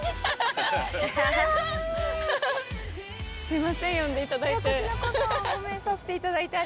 すいません呼んでいただいて。